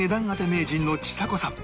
名人のちさ子さん